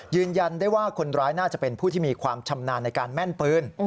ยืนยันได้ว่าคนร้ายน่าจะเป็นผู้ที่มีความชำนาญในการแม่นปืน